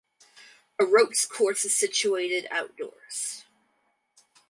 A ropes course is situated outdoors.